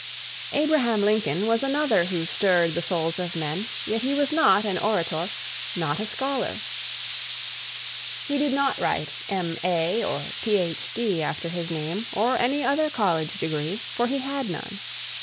Abraham Lincoln was another who stirred the souls of men, yet he was not an orator, not a scholar; he did not write M.A. or Ph.D. after his name, or any other college degree, for he had none.